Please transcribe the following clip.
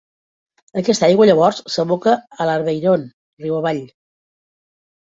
Aquesta aigua llavors s'aboca a l'Arveyron riu avall.